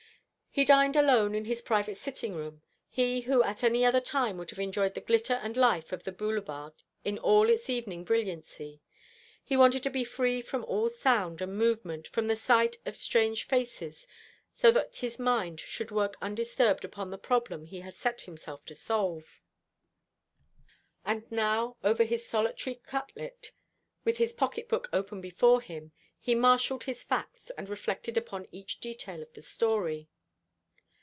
He dined alone in his private sitting room, he who at any other time would have enjoyed the glitter and life of the Boulevard in all its evening brilliancy. He wanted to be free from all sound and movement, from the sight of strange faces, so that his mind should work undisturbed upon the problem he had set himself to solve. And now over his solitary cutlet, with his pocket book open before him, he marshalled his facts, and reflected upon each detail of the story.